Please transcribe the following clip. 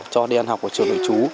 cho đi ăn học ở trường đại chú